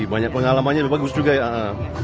banyak pengalamannya bagus juga ya